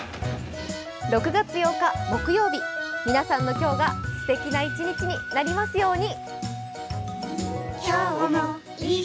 ６月８日木曜日、皆さんの今日がすてきな一日になりますように。